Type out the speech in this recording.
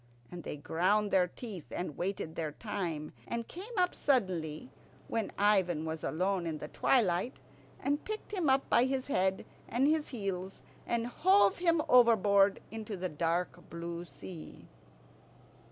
And they ground their teeth, and waited their time, and came up suddenly, when Ivan was alone in the twilight, and picked him up by his head and his heels, and hove him overboard into the dark blue sea.